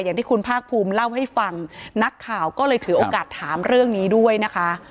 อย่างที่คุณภาคภูมิเล่าให้ฟังนักข่าวก็เลยถือโอกาสถามเรื่องนี้ด้วยนะคะ